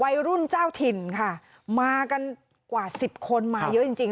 วัยรุ่นเจ้าถิ่นค่ะมากันกว่าสิบคนมาเยอะจริงจริง